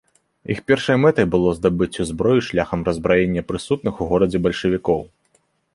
Іх першай мэтай было здабыццё зброі шляхам раззбраення прысутных у горадзе бальшавікоў.